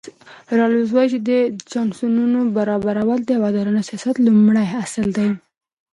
راولز وایي چې د چانسونو برابرول د یو عادلانه سیاست لومړی اصل دی.